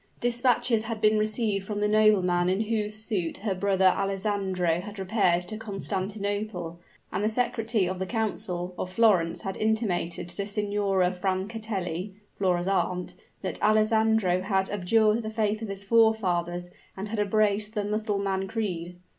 Dispatches had been received from the nobleman in whose suit her brother Alessandro had repaired to Constantinople; and the secretary of the council of Florence had intimated to Signora Francatelli (Flora's aunt) that Alessandro had abjured the faith of his forefathers and had embraced the Mussulman creed.